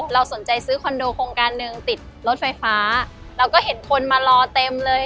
เราสนใจซื้อคอนโดโครงการหนึ่งติดรถไฟฟ้าเราก็เห็นคนมารอเต็มเลย